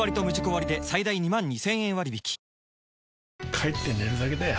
帰って寝るだけだよ